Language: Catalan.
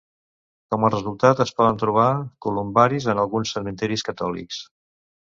Com a resultat, es poden trobar columbaris en alguns cementiris catòlics.